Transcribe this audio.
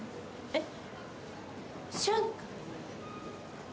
えっ？